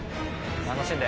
楽しんで。